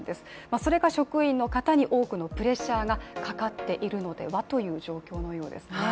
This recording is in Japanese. それが職員の方に多くのプレッシャーがかかっているのではという状況のようですね。